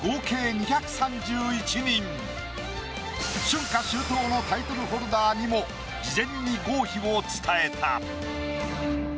春夏秋冬のタイトルホルダーにも事前に合否を伝えた。